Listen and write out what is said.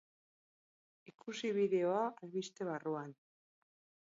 Ikusi bideoa albiste barruan.